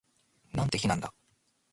なんて日なんだ